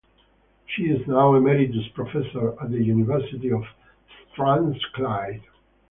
She is now Emeritus Professor at the University of Strathclyde.